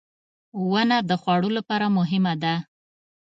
• ونه د خوړو لپاره مهمه ده.